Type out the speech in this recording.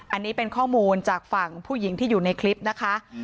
อันนี้เป็นข้อมูลจากฝั่งผู้หญิงที่อยู่ในคลิปนะคะ